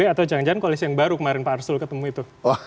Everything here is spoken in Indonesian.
yang jalan jalan koalisi yang baru kemarin pak arsul ketemu itu